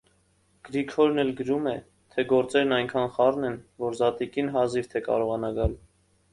Գրիգորն էլ գրում է, թե գործերն այնքան խառն են, որ զատկին հազիվ թե կարողանա գալ: